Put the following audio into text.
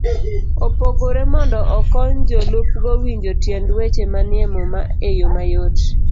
opogore mondo okony jolupgo winjo tiend weche manie Muma e yo mayot.